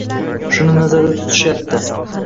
Shuni nazarda tutishyapti.